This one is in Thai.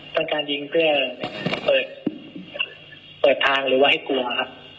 ต้องการยิงเพื่อเปิดทางหรือว่าให้กลัวครับ